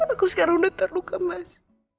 aku sekarang udah terluka mas